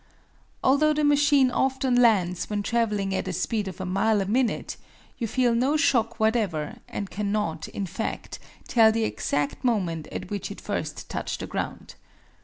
Although the machine often lands when traveling at a speed of a mile a minute, you feel no shock whatever, and cannot, in fact, tell the exact moment at which it first touched the ground.